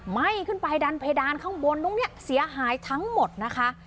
ไหม้ขึ้นไปดันเพดานข้างบนตรงนี้เสียหายทั้งหมดนะคะ